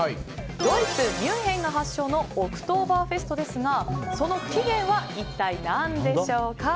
ドイツ・ミュンヘンが発祥のオクトーバーフェストですがその起源は一体何でしょうか？